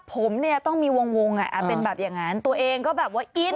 ผมเนี่ยต้องมีวงเป็นแบบอย่างนั้นตัวเองก็แบบว่าอิน